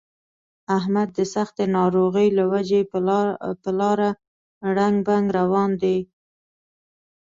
احمد د سختې ناروغۍ له وجې په لاره ړنګ بنګ روان دی.